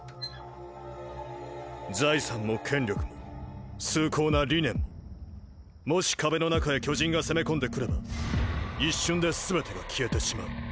財産も権力も崇高な理念ももし壁の中へ巨人が攻め込んでくれば一瞬ですべてが消えてしまう。